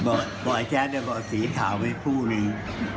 บอกแจ๊สบอกสีขาวให้คู่หนึ่ง